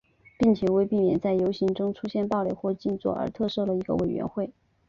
并且为避免在游行中出现暴力或静坐而特设了一个委员会。